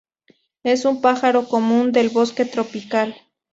Es un pájaro común del bosque tropical.